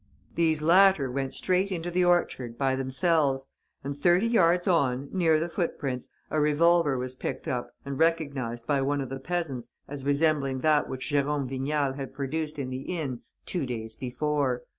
These latter went straight into the orchard, by themselves. And, thirty yards on, near the footprints, a revolver was picked up and recognized by one of the peasants as resembling that which Jérôme Vignal had produced in the inn two days before.